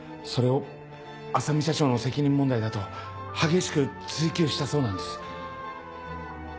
それを浅海社長の責任問題だと激しく追及したそうなんです。